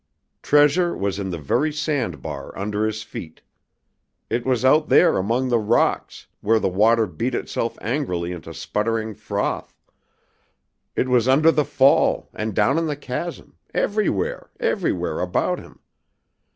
Treasure was in the very sandbar under his feet! It was out there among the rocks, where the water beat itself angrily into sputtering froth; it was under the fall, and down in the chasm, everywhere, everywhere about him.